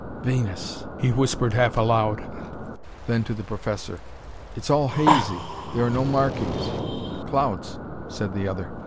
"Venus," he whispered half aloud. Then to the professor: "It's all hazy. There are no markings " "Clouds," said the other.